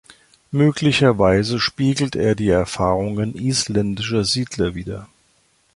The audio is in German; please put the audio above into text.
Möglicherweise spiegelt er die Erfahrungen isländischer Siedler wider.